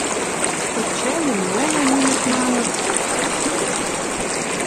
Хоть чӓйӹм моло йӱнӹт, маныт